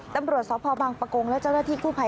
ตำรวจสพบังปะโกงและเจ้าหน้าที่กู้ภัย